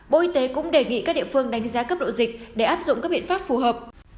bộ y tế cũng đề nghị các địa phương đánh giá cấp độ dịch để áp dụng các biện pháp phù hợp